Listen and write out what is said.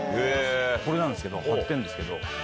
これなんですけど張ってんですけど。